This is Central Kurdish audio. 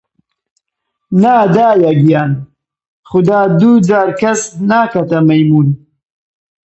نا دایە گیان، خودا دوو جار کەس ناکەتە مەیموون!